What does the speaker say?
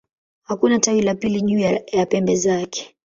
Hakuna tawi la pili juu ya pembe zake.